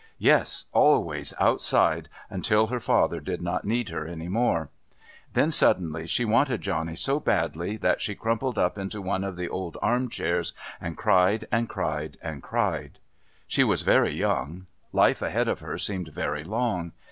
Yes, always outside, until her father did not need her any more. Then, suddenly she wanted Johnny so badly that she crumpled up into one of the old arm chairs and cried and cried and cried. She was very young. Life ahead of her seemed very long.